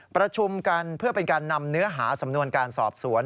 ประชุมกันเพื่อเป็นการนำเนื้อหาสำนวนการสอบสวน